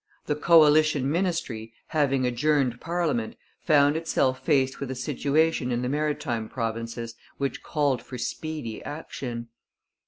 The coalition ministry, having adjourned parliament, found itself faced with a situation in the Maritime Provinces which called for speedy action.